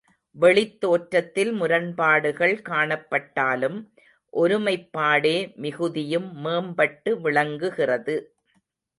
வெளித்தோற்றத்தில் முரண்பாடுகள் காணப்பட்டாலும் ஒருமைப்பாடே மிகுதியும் மேம்பட்டு விளங்குகிறது.